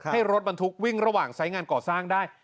ให้รถบรรทุกวิ่งระหว่างไซส์งานก่อสร้างได้